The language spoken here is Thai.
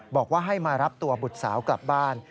บอกว่าให้มารับตัวบุตรสาวกลับบ้าน